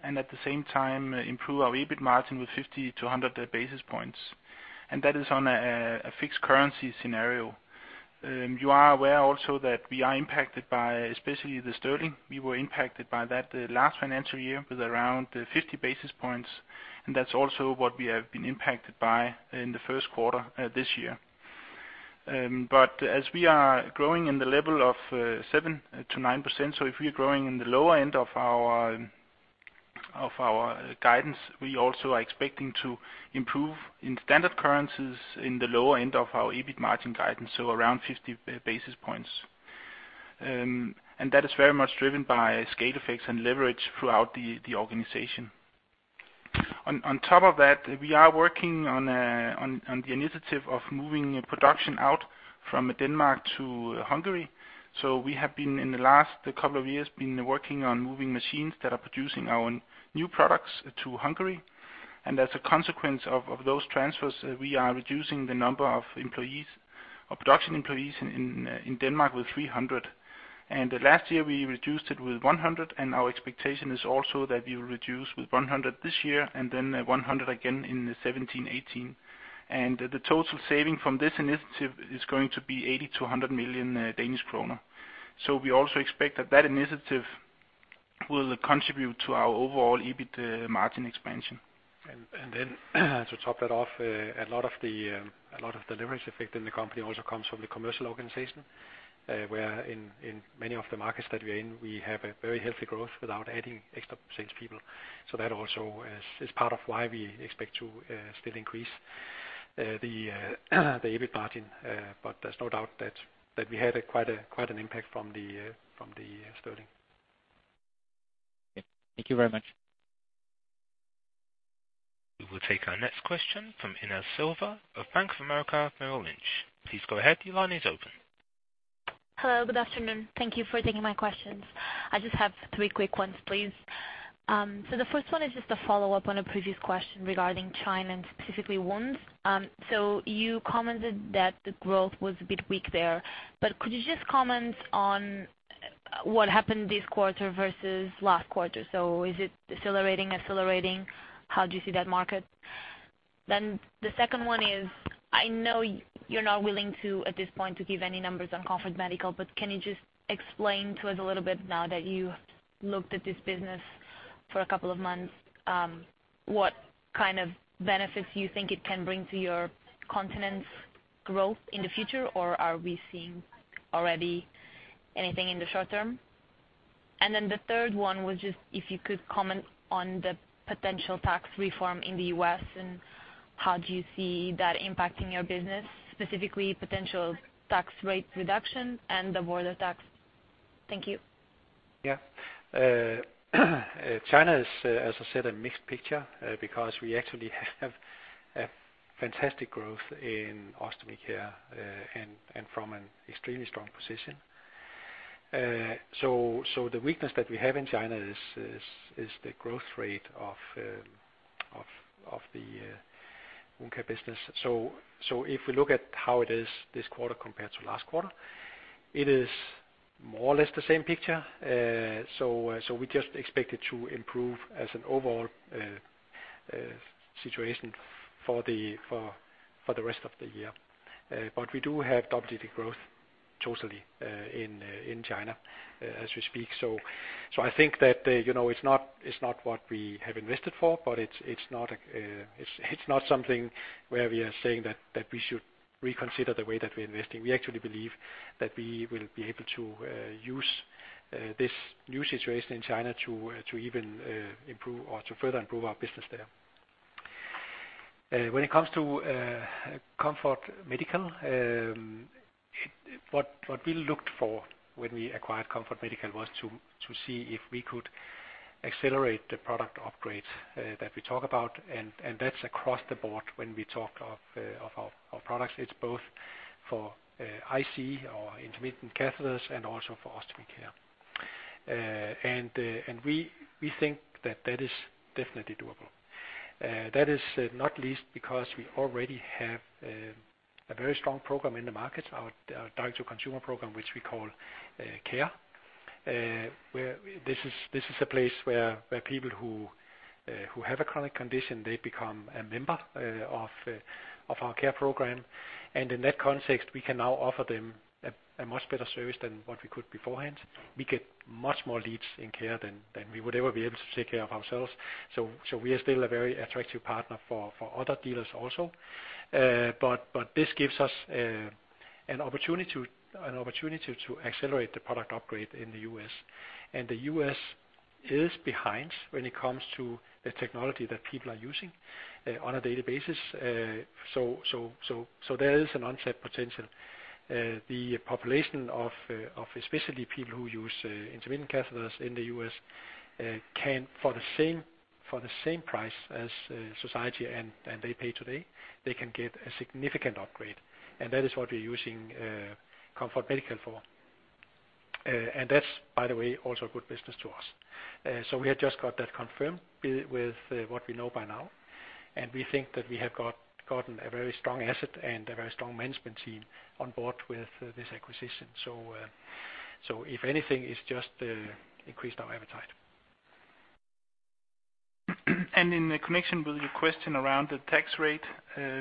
at the same time, improve our EBIT margin with 50-100 basis points, and that is on a fixed currency scenario. You are aware also that we are impacted by especially the sterling. We were impacted by that the last financial year with around 50 basis points, that's also what we have been impacted by in the first quarter this year. As we are growing in the level of 7%-9%, if we are growing in the lower end of our guidance, we also are expecting to improve in standard currencies in the lower end of our EBIT margin guidance, around 50 basis points. That is very much driven by scale effects and leverage throughout the organization. On top of that, we are working on the initiative of moving production out from Denmark to Hungary. As a consequence of those transfers, we are reducing the number of employees, of production employees in Denmark with 300. Last year, we reduced it with 100, and our expectation is also that we will reduce with 100 this year, and 100 again in 2017/2018. The total saving from this initiative is going to be 80 million-100 million Danish kroner. We also expect that that initiative will contribute to our overall EBIT margin expansion. Then to top that off, a lot of the leverage effect in the company also comes from the commercial organization, where in many of the markets that we're in, we have a very healthy growth without adding extra sales people. So that also is part of why we expect to still increase the EBIT margin. But there's no doubt that we had quite a quite an impact from the sterling. Thank you very much. We will take our next question from Inês Silva of Bank of America Merrill Lynch. Please go ahead. The line is open. Hello, good afternoon. Thank you for taking my questions. I just have three quick ones, please. The first one is just a follow-up on a previous question regarding China, and specifically, wounds. You commented that the growth was a bit weak there, but could you just comment on what happened this quarter versus last quarter? Is it decelerating, accelerating? How do you see that market? The second one is, I know you're not willing to, at this point, to give any numbers on Comfort Medical, but can you just explain to us a little bit now that you've looked at this business for a couple of months, what kind of benefits you think it can bring to your Continence growth in the future, or are we seeing already anything in the short term? Then the third one was just if you could comment on the potential tax reform in the U.S., and how do you see that impacting your business, specifically potential tax rate reduction and the border tax? Thank you. China is, as I said, a mixed picture, because we actually have a fantastic growth in Ostomy Care, and from an extremely strong position. The weakness that we have in China is the growth rate of the Wound Care business. If we look at how it is this quarter compared to last quarter, it is more or less the same picture. We just expect it to improve as an overall situation for the rest of the year. We do have double-digit growth totally, in China as we speak. I think that, you know, it's not what we have invested for, but it's not, it's not something where we are saying that we should reconsider the way that we're investing. We actually believe that we will be able to use this new situation in China to even improve or to further improve our business there. When it comes to Comfort Medical, what we looked for when we acquired Comfort Medical was to see if we could accelerate the product upgrades that we talk about. That's across the board when we talk of our products. It's both for IC or intermittent catheters and also for Ostomy Care. We think that that is definitely doable. That is not least because we already have a very strong program in the market, our direct-to-consumer program, which we call Care. Where this is a place where people who have a chronic condition, they become a member of our care program, and in that context, we can now offer them a much better service than what we could beforehand. We get much more leads in care than we would ever be able to take care of ourselves. We are still a very attractive partner for other dealers also. This gives us an opportunity to accelerate the product upgrade in the U.S. The U.S. is behind when it comes to the technology that people are using on a daily basis. There is an unmet potential. The population of especially people who use intermittent catheters in the U.S. can, for the same price as society and they pay today, they can get a significant upgrade, and that is what we're using Comfort Medical for. That's, by the way, also a good business to us. We have just got that confirmed with what we know by now, and we think that we have gotten a very strong asset and a very strong management team on board with this acquisition. If anything, it's just increased our appetite. In connection with your question around the tax rate,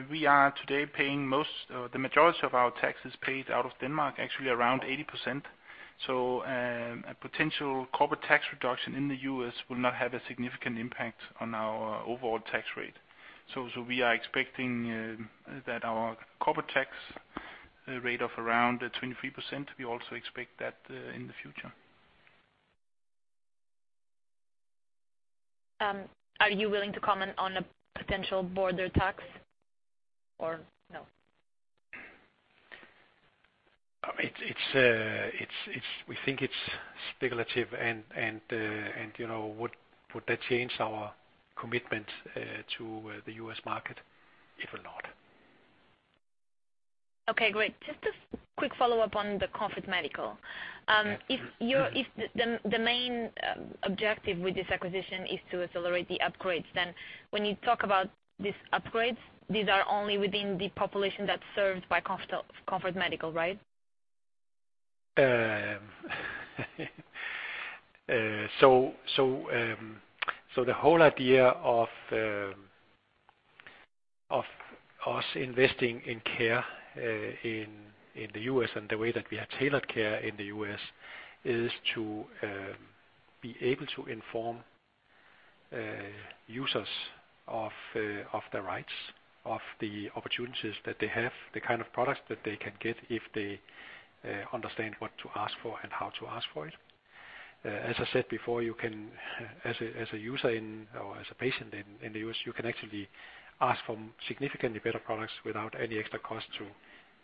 we are today paying most, the majority of our taxes paid out of Denmark, actually around 80%. A potential corporate tax reduction in the US will not have a significant impact on our overall tax rate. We are expecting that our corporate tax rate of around 23%, we also expect that in the future. Are you willing to comment on a potential border tax or no? It's we think it's speculative, and, you know, would that change our commitment to the US market? It will not. Okay, great. Just a quick follow-up on the Comfort Medical. If the main objective with this acquisition is to accelerate the upgrades, then when you talk about these upgrades, these are only within the population that's served by Comfort Medical, right? The whole idea of us investing in Care in the U.S. and the way that we have tailored Care in the U.S. is to be able to inform users of their rights, of the opportunities that they have, the kind of products that they can get if they understand what to ask for and how to ask for it. As I said before, you can, as a user in or as a patient in the U.S., you can actually ask for significantly better products without any extra cost to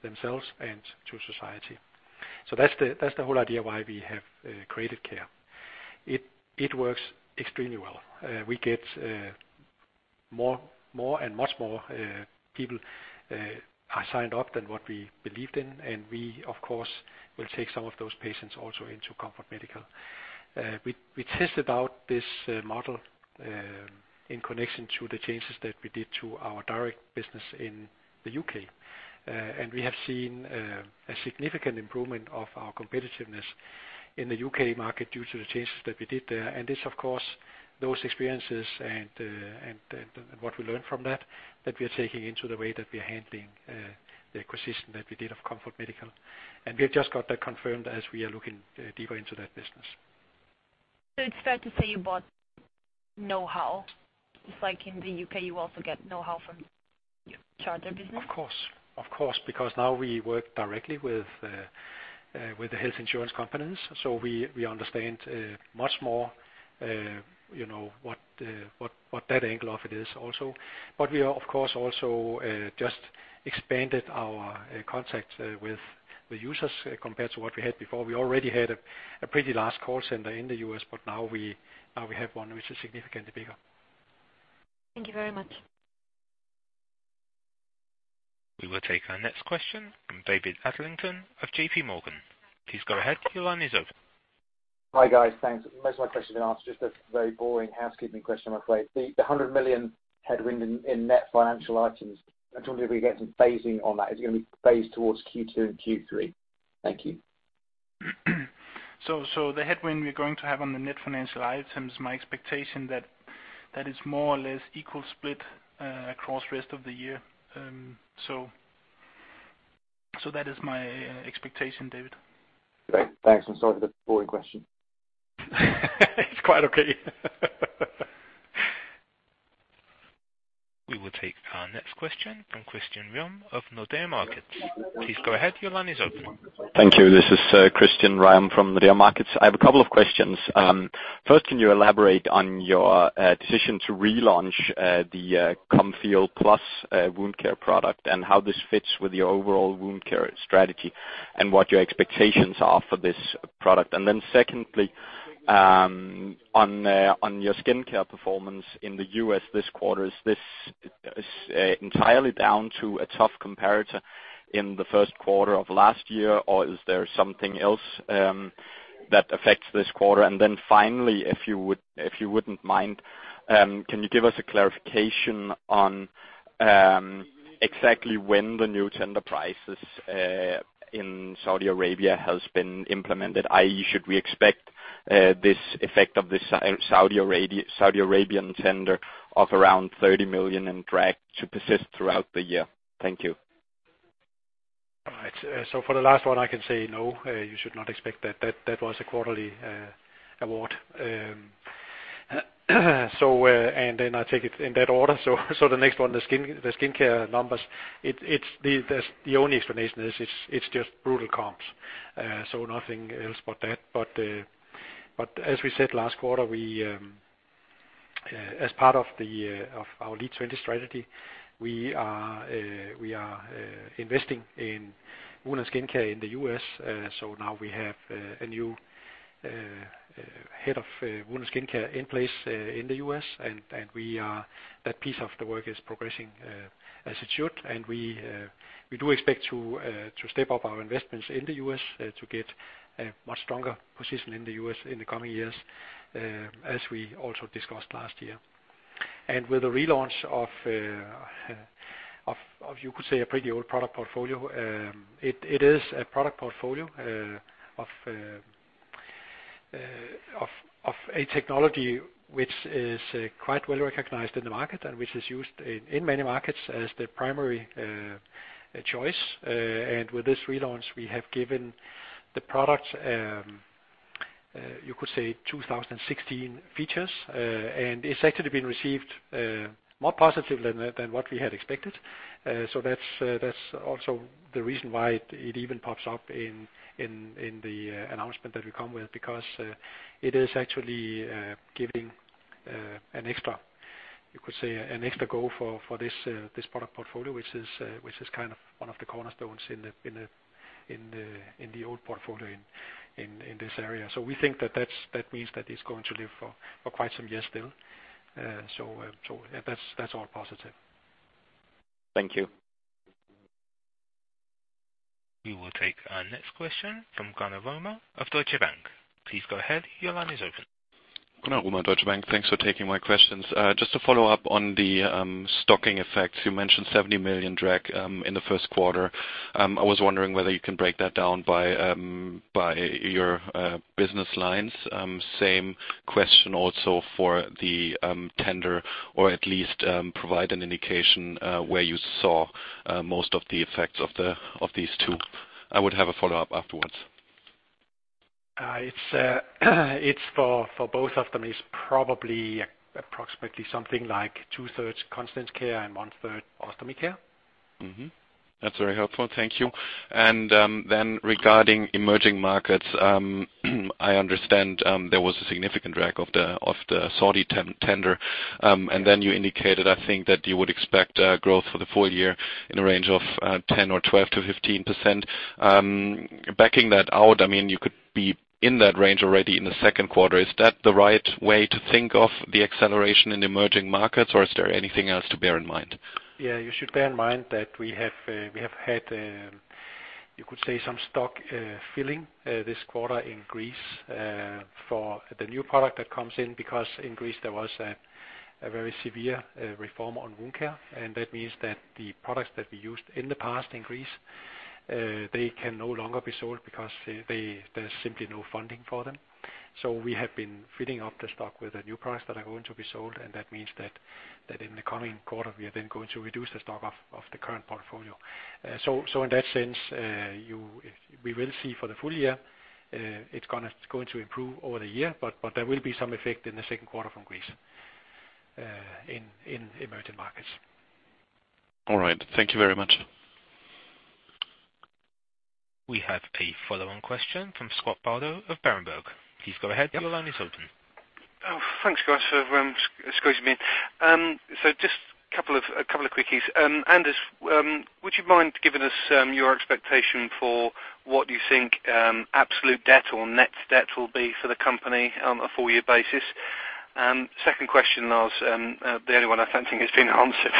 themselves and to society. That's the whole idea why we have created Care. It works extremely well. We get more and much more people are signed up than what we believed in. We, of course, will take some of those patients also into Comfort Medical. We tested out this model in connection to the changes that we did to our direct business in the U.K. We have seen a significant improvement of our competitiveness in the UK market due to the changes that we did there. It's of course, those experiences and what we learned from that we are taking into the way that we are handling the acquisition that we did of Comfort Medical.We have just got that confirmed as we are looking deeper into that business. It's fair to say you bought knowhow, just like in the U.K., you also get know how from your Charter business? Of course, of course, because now we work directly with the health insurance companies, so we understand much more, you know, what that angle of it is also. We are, of course, also, just expanded our contact with the users compared to what we had before. We already had a pretty large call center in the U.S. but now we have one which is significantly bigger. Thank you very much. We will take our next question from David Adlington of JPMorgan. Please go ahead. Your line is open. Hi, guys. Thanks. Most of my questions have been answered. Just a very boring housekeeping question, I'm afraid. The 100 million headwind in net financial items, I'm wondering if we get some phasing on that. Is it going to be phased towards Q2 and Q3? Thank you. The headwind we're going to have on the net financial items, my expectation that is more or less equal split across rest of the year. That is my expectation, David. Great. Thanks, and sorry for the boring question. It's quite okay. We will take our next question from Christian Ryom of Nordea Markets. Please go ahead. Your line is open. Thank you. This is Christian Ryom from Nordea Markets. I have a couple of questions. First, can you elaborate on your decision to relaunch the Comfeel Plus wound care product, and how this fits with your overall wound care strategy, and what your expectations are for this product? Secondly, on your skin care performance in the U.S. this quarter, is this entirely down to a tough comparator in the first quarter of last year, or is there something else that affects this quarter? Finally, if you wouldn't mind, can you give us a clarification on exactly when the new tender prices in Saudi Arabia has been implemented, i.e., should we expect this effect of this Saudi Arabian tender of around 30 million in drag to persist throughout the year? Thank you. All right. For the last one, I can say no, you should not expect that. That was a quarterly award. And then I take it in that order. The next one, the skincare numbers, it's the only explanation is it's just brutal comps. Nothing else but that. As we said last quarter, we as part of the of our LEAD20 strategy, we are investing in Wound & Skin Care in the U.S. Now we have a new head of Wound & Skin Care in place in the U.S., and we are. That piece of the work is progressing as it should. We do expect to step up our investments in the U.S. to get a much stronger position in the U.S. in the coming years, as we also discussed last year. With the relaunch of, you could say, a pretty old product portfolio, it is a product portfolio of a technology which is quite well recognized in the market and which is used in many markets as the primary choice. With this relaunch, we have given the product, you could say 2016 features. It's actually been received more positively than what we had expected. That's also the reason why it even pops up in the announcement that we come with, because it is actually giving an extra, you could say, an extra go for this product portfolio, which is kind of one of the cornerstones in the old portfolio in, in this area. We think that that's, that means that it's going to live for quite some years still. That's all positive. Thank you. We will take our next question from Gunnar Rømer of Deutsche Bank. Please go ahead. Your line is open. Gunnar Rømer, Deutsche Bank. Thanks for taking my questions. Just to follow up on the stocking effects, you mentioned 70 million drag in the first quarter. I was wondering whether you can break that down by your business lines. Same question also for the tender, or at least provide an indication where you saw most of the effects of these two. I would have a follow-up afterwards. It's for both of them, it's probably approximately something like two-thirds Continence Care and 1/3 Ostomy Care. Mm-hmm. That's very helpful. Thank you. Regarding emerging markets, I understand there was a significant drag of the Saudi tender. You indicated, I think, that you would expect growth for the full year in a range of 10% or 12% to 15%. Backing that out, I mean, you could be in that range already in the second quarter. Is that the right way to think of the acceleration in emerging markets, or is there anything else to bear in mind? Yeah, you should bear in mind that we have had, you could say some stock filling this quarter in Greece for the new product that comes in, because in Greece there was a very severe reform on wound care. That means that the products that we used in the past in Greece, they can no longer be sold because there's simply no funding for them. We have been filling up the stock with the new products that are going to be sold, and that means that in the coming quarter, we are then going to reduce the stock of the current portfolio.In that sense, we will see for the full year, it's going to improve over the year, but there will be some effect in the second quarter from Greece, in emerging markets. All right. Thank you very much. We have a follow-on question from Scott Bardo of Berenberg. Please go ahead. Your line is open. Thanks, guys, for squeezing me in. Just a couple of quickies. Anders, would you mind giving us your expectation for what you think absolute debt or net debt will be for the company on a full year basis? Second question, Lars, the only one I don't think has been answered,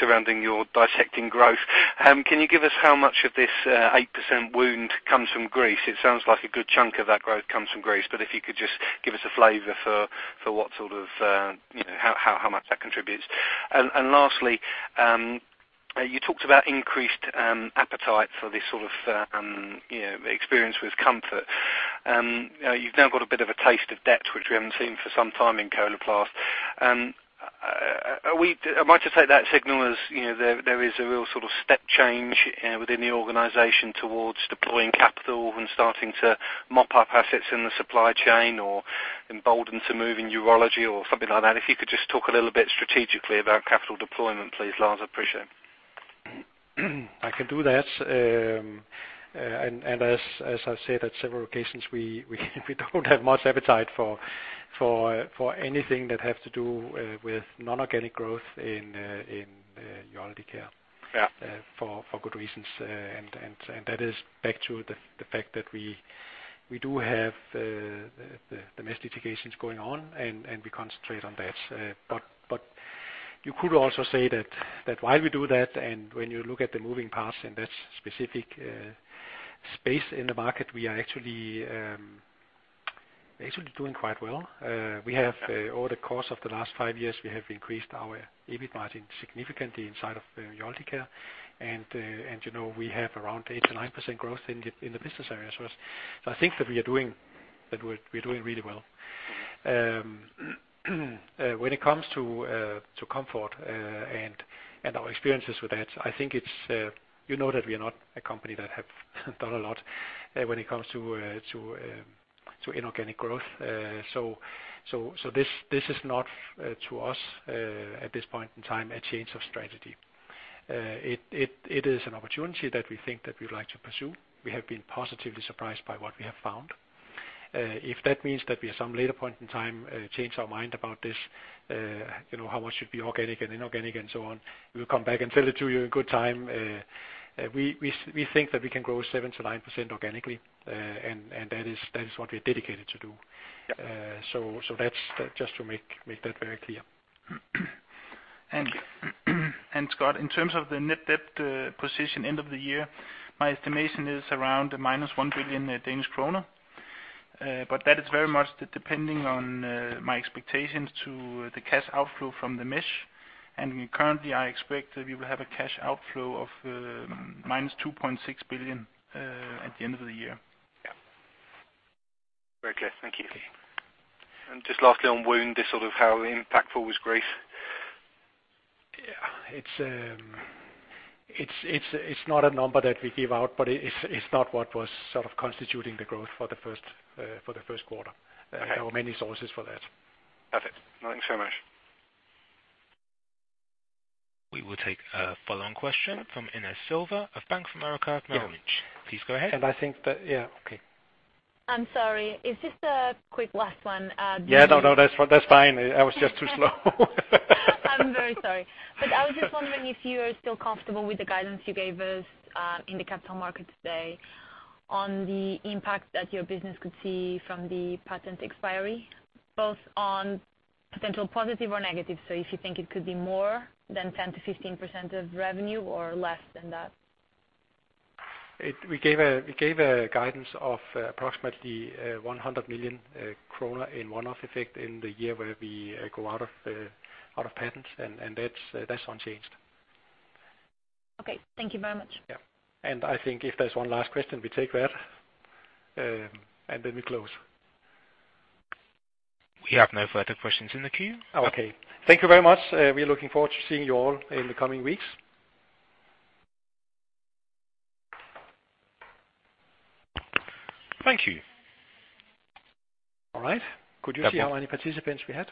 surrounding your dissecting growth. Can you give us how much of this 8% wound comes from Greece? It sounds like a good chunk of that growth comes from Greece, but if you could just give us a flavor for what sort of, you know, how much that contributes. Lastly, you talked about increased appetite for this sort of, you know, experience with Comfort. You've now got a bit of a taste of debt, which we haven't seen for some time in Coloplast. Am I to take that signal as, you know, there is a real sort of step change within the organization towards deploying capital and starting to mop up assets in the supply chain, or emboldened to move in urology or something like that? If you could just talk a little bit strategically about capital deployment, please, Lars, I'd appreciate it. I can do that. As I said, at several occasions, we don't have much appetite for anything that have to do with non-organic growth in Urology Care. Yeah For good reasons. That is back to the fact that we do have the mesh litigations going on, and we concentrate on that. You could also say that while we do that, and when you look at the moving parts in that specific space in the market, we are actually actually doing quite well. We have over the course of the last five years, we have increased our EBIT margin significantly inside of Urology Care. You know, we have around 8%-9% growth in the business area. I think that we're doing really well. When it comes to comfort, and our experiences with that, I think it's, you know, that we are not a company that have done a lot, when it comes to inorganic growth. This is not to us at this point in time, a change of strategy. It is an opportunity that we think that we'd like to pursue. We have been positively surprised by what we have found. If that means that we at some later point in time, change our mind about this, you know, how much should be organic and inorganic and so on, we'll come back and tell it to you in good time. We think that we can grow 7%-9% organically, and that is what we're dedicated to do. Yeah. That's just to make that very clear. Scott, in terms of the net debt position end of the year, my estimation is around the minus 1 billion Danish kroner. That is very much depending on my expectations to the cash outflow from the mesh. Currently, I expect that we will have a cash outflow of minus 2.6 billion at the end of the year. Yeah. Very clear. Thank you. Just lastly, on wound, just sort of how impactful was Greece? It's not a number that we give out, but it's not what was sort of constituting the growth for the first quarter. Okay. There were many sources for that. Perfect. Thank you so much. We will take a follow-on question from Inês Silva of Bank of America Merrill Lynch. Please go ahead. I think that. Yeah, okay. I'm sorry. It's just a quick last one. Yeah, no, that's fine. I was just too slow. I'm very sorry. I was just wondering if you are still comfortable with the guidance you gave us in the Capital Market Day on the impact that your business could see from the patent expiry, both on potential positive or negative. If you think it could be more than 10%-15% of revenue or less than that? We gave a guidance of approximately 100 million kroner in one-off effect in the year where we go out of patents, and that's unchanged. Okay. Thank you very much. Yeah. I think if there's one last question, we take that, and then we close. We have no further questions in the queue. Okay. Thank you very much. We are looking forward to seeing you all in the coming weeks. Thank you. All right. Could you see how many participants we have?